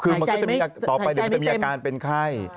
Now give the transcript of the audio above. คือมันก็จะมีต่อไปเดี๋ยวมันจะมีอาการเป็นไข้